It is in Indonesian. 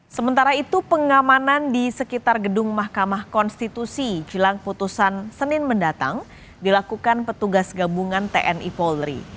sementara itu pengamanan di sekitar gedung mahkamah konstitusi jelang putusan senin mendatang dilakukan petugas gabungan tni polri